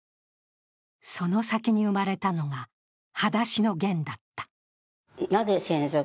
その先に生まれたのが「はだしのゲン」だった。